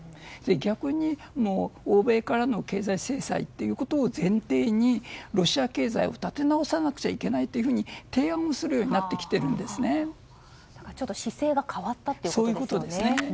逆に、欧米からの経済制裁ということを前提にロシア経済を立て直さなくちゃいけないというふうに提案もするように姿勢がそういうことですね。